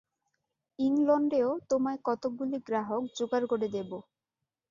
ইংলণ্ডেও তোমায় কতকগুলি গ্রাহক যোগাড় করে দেব।